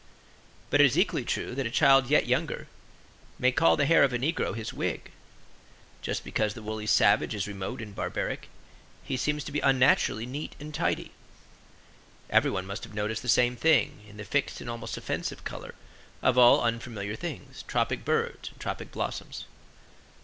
But it is equally true that a child yet younger may call the hair of a negro his wig. Just because the woolly savage is remote and barbaric he seems to be unnaturally neat and tidy. Everyone must have noticed the same thing in the fixed and almost offensive color of all unfamiliar things, tropic birds and tropic blossoms.